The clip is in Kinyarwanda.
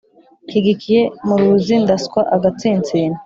Nshyigikiye muruzi ndaswa-Agatsinsino.